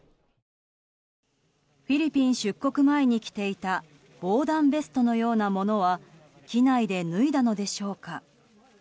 フィリピン出国前に着ていた防弾ベストのようなものは機内で脱いだのでしょうか。